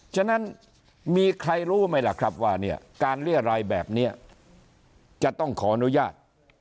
ฉะนั้นมีใครรู้ไหมล่ะครับว่าเนี่ยการเรียรายแบบนี้จะต้องขออนุญาต